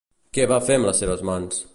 Què va fer amb les seves mans?